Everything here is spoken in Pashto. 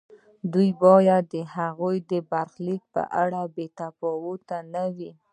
دوی باید د هغه د برخلیک په اړه بې تفاوت نه وي.